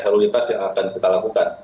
lalu lintas yang akan kita lakukan